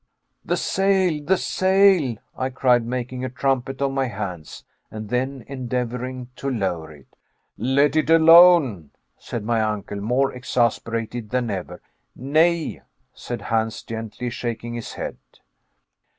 "The sail, the sail!" I cried, making a trumpet of my hands, and then endeavoring to lower it. "Let it alone!" said my uncle, more exasperated than ever. "Nej," said Hans, gently shaking his head.